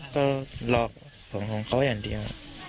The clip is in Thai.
ก็หลอกผมของเขาอย่างเดียว